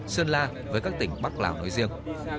sơn la với các tỉnh bắc lào nói riêng